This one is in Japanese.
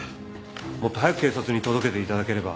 もっと早く警察に届けて頂ければ。